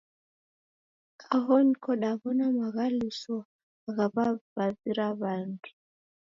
Aho niko daw'ona maghaluso ghaw'avavira w'andu.